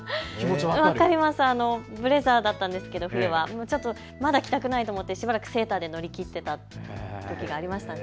ブレザーだったんですけれども冬は、まだ着たくないと思ってしばらくセーターで乗り切っていたときがありました。